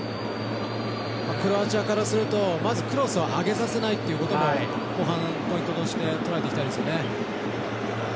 クロアチアからするとまず、クロスを上げさせないということも後半、ポイントとして捉えていきたいですよね。